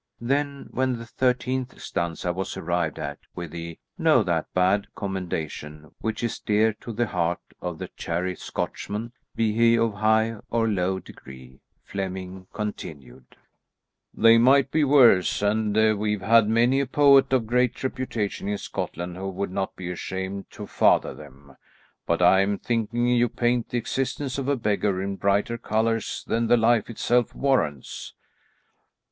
Then when the thirteenth stanza was arrived at, with the "No that bad" commendation, which is dear to the heart of the chary Scotchman, be he of high or low degree, Flemming continued, "They might be worse, and we've had many a poet of great reputation in Scotland who would not be ashamed to father them. But I'm thinking you paint the existence of a beggar in brighter colours than the life itself warrants."